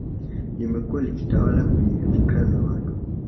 Limekua likitawala kwenye fikra za watu